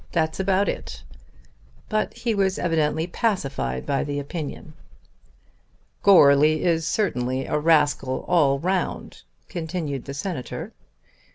That's about it." But he was evidently pacified by the opinion. "Goarly is certainly a rascal all round," continued the Senator.